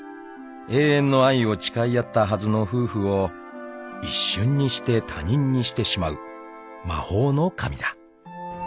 ［永遠の愛を誓い合ったはずの夫婦を一瞬にして他人にしてしまう魔法の紙だ］